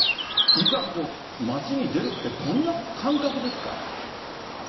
いざ街に出るって、どんな感覚ですか？